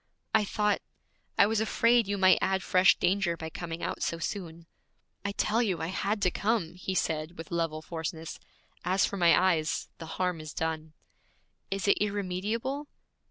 'I thought I was afraid you might add fresh danger by coming out so soon.' 'I tell you I had to come!' he said with level forcefulness. 'As for my eyes, the harm is done.' 'Is it irremediable?'